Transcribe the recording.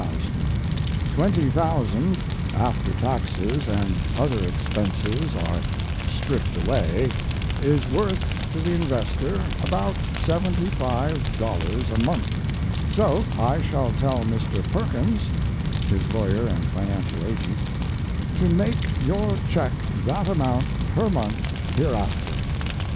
$20,000, after taxes and other expenses are stripped away, is worth to the investor about $75 a month, so I shall tell Mr. Perkins [his lawyer and financial agent] to make your check that amount per month hereafter....